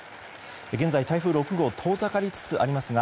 現在、台風６号遠ざかりつつありますが